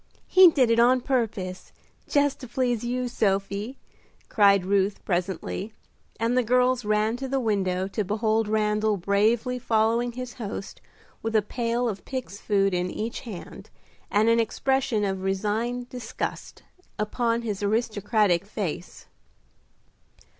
He did it on purpose, just to please you, Sophie," cried Ruth presently, and the girls ran to the window to behold Randal bravely following his host with a pail of pigs' food in each hand, and an expression of resigned disgust upon his aristocratic face.